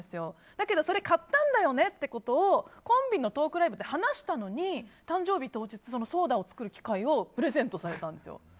だけど、それ買ったんだよねってコンビのトークライブで話したのに、誕生日当日ソーダを作る機械をプレゼントされたんですよ。